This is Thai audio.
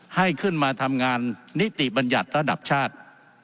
ให้ขึ้นมาทำงานนิติบัญญัติระดับชาติ